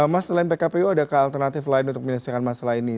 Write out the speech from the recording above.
mas selain pkpu adakah alternatif lain untuk menyelesaikan masalah ini